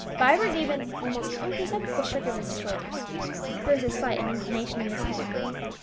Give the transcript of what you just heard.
Vibert gave an almost imperceptible shrug of his shoulders; Bruce as slight an inclination of his head.